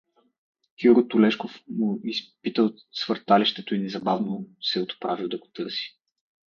Киро Тулешков му изпитал свърталището и незабавно се отправил да го търси.